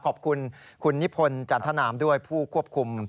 ขอบคุณคุณนิพนธ์จันทนามด้วยผู้ควบคุม